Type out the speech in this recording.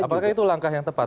apakah itu langkah yang tepat